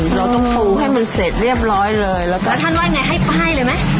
เราต้องปูให้มันเสร็จเรียบร้อยเลยแล้วก็ท่านว่าไงให้ป้ายเลยไหม